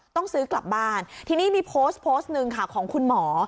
ต้องซื้อกลับบ้านทีนี้มีโพสต์โพสต์หนึ่งค่ะของคุณหมอ